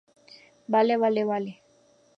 vale, vale, vale.